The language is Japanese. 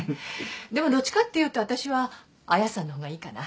でもどっちかっていうとわたしは彩さんの方がいいかな。